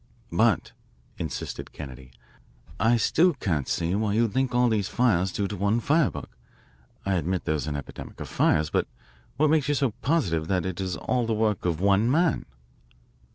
"But," insisted Kennedy, "I still can't see why you link all these fires as due to one firebug. I admit there is an epidemic of fires. But what makes you so positive that it is all the work of one man?"